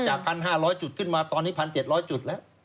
๑๕๐๐จุดขึ้นมาตอนนี้๑๗๐๐จุดแล้ว